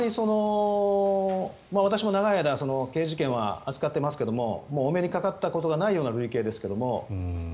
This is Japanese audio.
私も長い間刑事事件は扱っていますがお目にかかったことがないような類型ですけども。